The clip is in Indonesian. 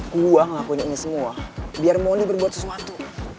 gue ngakuin ini semua biar mondi berbuat sesuatu